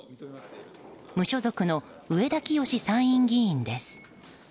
無所属の上田清司参議院議員です。